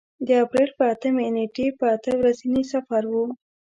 د اپرېل په اتمې نېټې په اته ورځني سفر و.